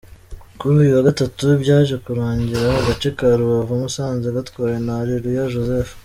Kuri uyu wa Gatatu, byaje kurangira agace ka Rubavu-Musanze gatwawe na Areruya Joseph.